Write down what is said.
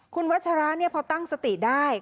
คุณวัชฌาระนี้พอตั้งสติได้